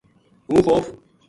ہوں خوف